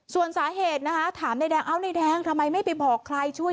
ส่วนสาเหตุนะคะถามนายแดงเอ้านายแดงทำไมไม่ไปบอกใครช่วย